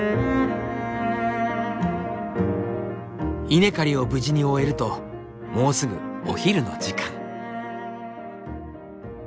稲刈りを無事に終えるともうすぐお昼の時間。